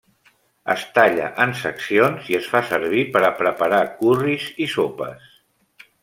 Es talla en seccions i es fa servir per a preparar curris i sopes.